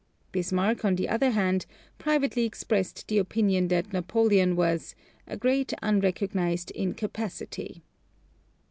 Bismarck, on the other hand, privately expressed the opinion that Napoleon was "a great unrecognized incapacity."